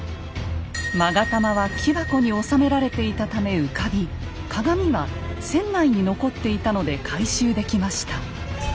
勾玉は木箱に納められていたため浮かび鏡は船内に残っていたので回収できました。